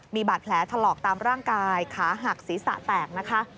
มีบาดแผลถลอกตามร่างกายขาหักศีรษะแตกนะคะ